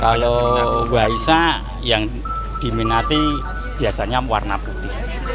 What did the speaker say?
kalau waisak yang diminati biasanya warna putih